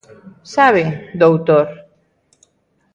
_Sabe, doutor?